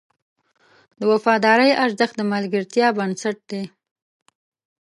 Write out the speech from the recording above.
د وفادارۍ ارزښت د ملګرتیا بنسټ دی.